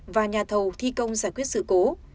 và nhà thầu thi công giải quyết sự cố